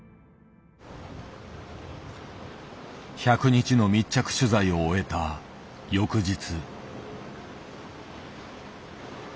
１００日の密着取材を終えた翌日。